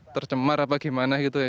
tercemar apa gimana gitu ya